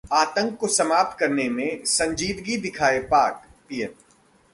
आतंक को समाप्त करने में संजीदगी दिखाए पाक: पीएम